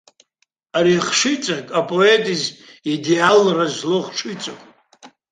Ари ахшыҩҵак апоет изы идеалра злоу хшыҩҵакуп.